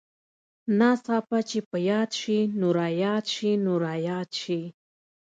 ناڅاپه چې په ياد سې چې راياد سې نو راياد سې.